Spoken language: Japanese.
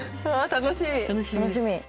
楽しみ。